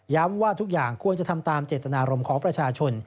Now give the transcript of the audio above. ว่าทุกอย่างควรจะทำตามเจตนารมณ์ของประชาชน